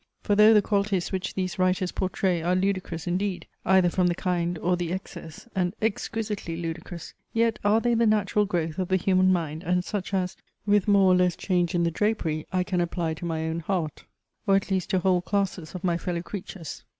For though the qualities which these writers pourtray are ludicrous indeed, either from the kind or the excess, and exquisitely ludicrous, yet are they the natural growth of the human mind and such as, with more or less change in the drapery, I can apply to my own heart, or at least to whole classes of my fellow creatures.